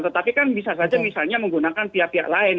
tetapi kan bisa saja misalnya menggunakan pihak pihak lain